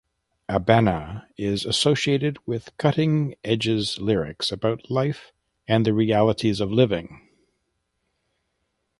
Abena is associated with cutting edges lyrics about life and the realities of living.